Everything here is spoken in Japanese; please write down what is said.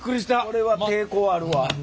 これは抵抗あるわ。